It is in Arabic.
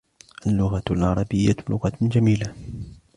اللغة العربيّة لغةٌ جميلَةٌ.